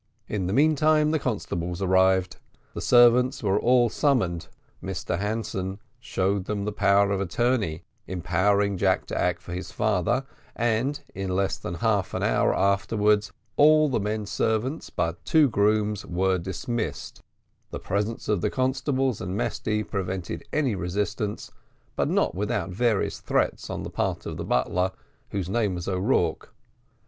In the meantime the constables arrived. The servants were all summoned; Mr Hanson showed them the power of attorney empowering Jack to act for his father, and in less than half an hour afterwards all the men servants, but two grooms, were dismissed: the presence of the constables and Mesty prevented any resistance, but not without various threats on the part of the butler, whose name was O'Rourke.